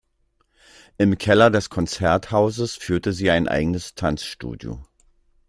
Im Keller des Konzerthauses führte sie ein eigenes Tanzstudio.